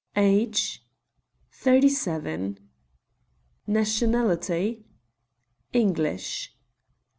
"Age?" "Thirty seven." "Nationality?" "English."